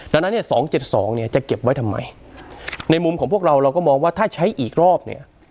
ดังนั้นเนี่ย๒๗๒เนี่ยจะเก็บไว้ทำไมในมุมของพวกเราเราก็มองว่าถ้าใช้อีกรอบเนี่ย